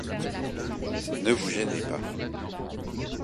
Ne vous gênez pas.